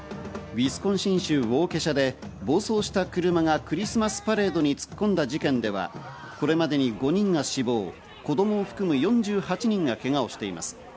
ウィスコンシン州ウォーケシャで暴走した車がクリスマスパレードに突っ込んだ事件では、これまでに５人が死亡、子供を含む４８人がけがをしています。